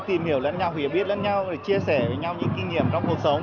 tìm hiểu lẫn nhau hiểu biết lẫn nhau chia sẻ với nhau những kinh nghiệm trong cuộc sống